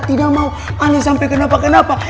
tidak mau ale sampai kenapa kenapa